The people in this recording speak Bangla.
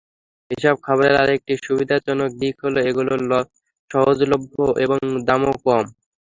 এসব খাবারের আরেকটি সুবিধাজনক দিক হলো, এগুলো সহজলভ্য এবং দামও কম।